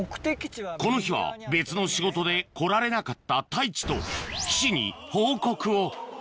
この日は別の仕事で来られなかった太一と岸に報告を